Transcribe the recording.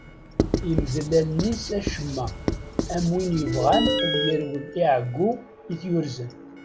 Imdel allen-is acemma, am win yebɣan ad yerwel i ɛeggu i t-yurzen.